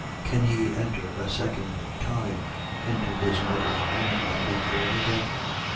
Can he enter a second time into his mother's womb and be born again?